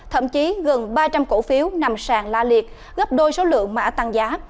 thậm chí gần ba trăm linh cổ phiếu nằm sàn la liệt gấp đôi số lượng mã tăng giá